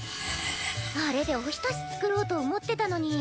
あれでおひたし作ろうと思ってたのに。